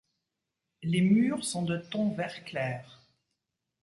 Les murs sont de ton vert clair.